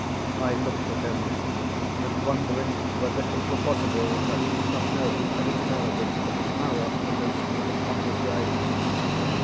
I looked at him, and wondering whether it were possible, that he did not know the originality, the power of the notion that had come in his way?